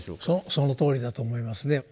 そのとおりだと思いますね。